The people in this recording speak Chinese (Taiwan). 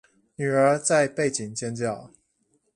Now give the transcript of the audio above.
女兒在背景尖叫